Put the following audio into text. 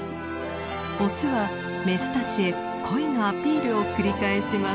オスはメスたちへ恋のアピールを繰り返します。